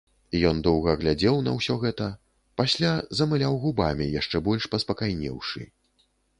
Ён доўга глядзеў на ўсё гэта, пасля замыляў губамі, яшчэ больш паспакайнеўшы.